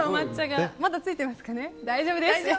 大丈夫ですか？